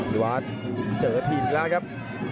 อภิวัฒน์เจอถีดอีกแล้วครับ